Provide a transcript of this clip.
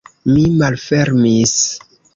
Mi malfermis.